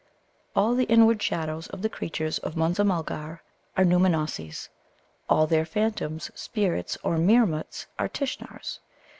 All the inward shadows of the creatures of Munza mulgar are Nōōmanossi's; all their phantoms, spirits, or Meermuts are Tishnar's.